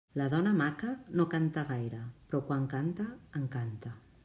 La dona maca no canta gaire, però quan canta, encanta.